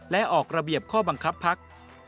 และออกระเบียบข้อบังคับพัก